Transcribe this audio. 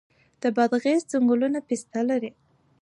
د بادغیس ځنګلونه پسته دي